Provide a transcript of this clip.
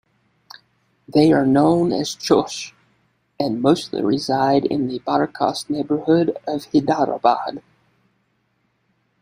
They are known as Chaush and mostly reside in the Barkas neighbourhood of Hyderabad.